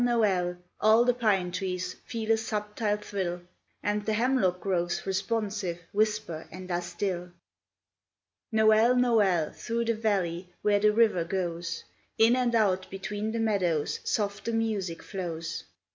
Noel! All the pine trees Feel a subtile thrill, And the hemlock groves, responsive, Whisper and are still. Noel ! Noel! Through the valley Where the river goes In and out between the meadows, Soft the music flows.